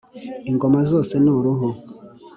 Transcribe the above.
Ingoma zose ni uruhu